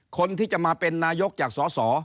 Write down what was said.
คนที่จะมาเป็นนายกจากสส